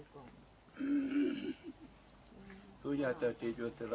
จากฝั่งภูมิธรรมฝั่งภูมิธรรม